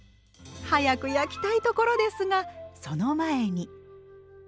早く焼きたいところですがその前に。